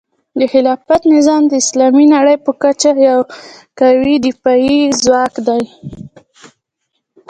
د خلافت نظام د اسلامي نړۍ په کچه یو قوي دفاعي ځواک جوړوي.